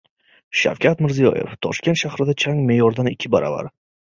Shavkat Mirziyoyev: "Toshkent shahrida chang me’yoridan ikki baravar"